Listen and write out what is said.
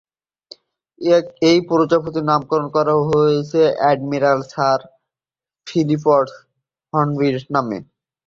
এই প্রজাতির নামকরণ করা হয়েছে অ্যাডমিরাল স্যার ফিলিপস হর্নবির নামে।